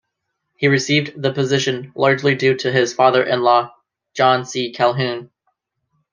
He received the position largely due to his father in-law John C. Calhoun.